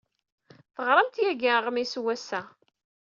Teɣramt yagi aɣmis n wass-a.